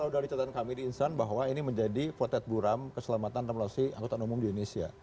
kalau dari catatan kami di instan bahwa ini menjadi potret buram keselamatan relasi angkutan umum di indonesia